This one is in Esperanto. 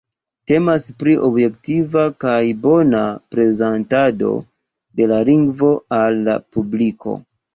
Temas pri objektiva kaj bona prezentado de la lingvo al la publiko.